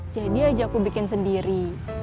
jadi aja aku bikin sendiri